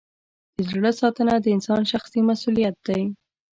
د زړه ساتنه د انسان شخصي مسؤلیت دی.